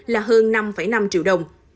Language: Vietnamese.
là hơn năm năm triệu đồng